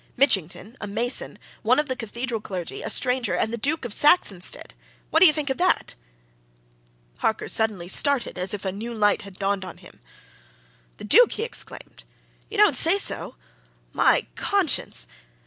"Mitchington, a mason, one of the cathedral clergy, a stranger, and the Duke of Saxonsteade! What do you think of that?" Harker suddenly started as if a new light had dawned on him. "The Duke!" he exclaimed. "You don't say so! My conscience!